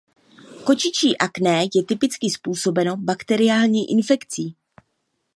Kočičí akné je typicky způsobeno bakteriální infekcí.